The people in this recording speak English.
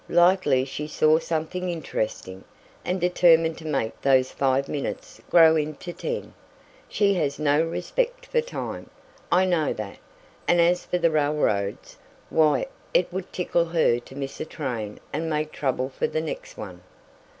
"Likely she saw something interesting, and determined to make those five minutes grow into ten. She has no respect for time, I know that, and as for the railroads, why it would tickle her to miss a train and make trouble for the next one."